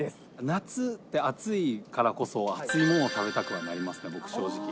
夏って暑いからこそ、熱いものを食べたくはなりますね、僕、正直。